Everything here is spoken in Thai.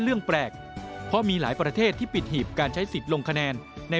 เพื่อไม่ให้เจ้าหน้าที่เกิดความเหนื่อยหรืออ่อนล้าเกินไป